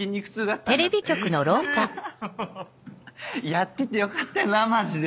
やっててよかったよなマジで。